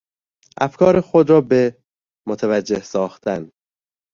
افکار خود را به... متوجه ساختن